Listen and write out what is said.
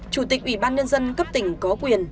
chủ tịch ubnd cấp tỉnh có quyền